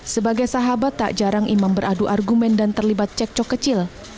sebagai sahabat tak jarang imam beradu argumen dan terlibat cekcok kecil